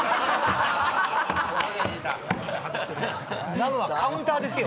今のはカウンターですよ。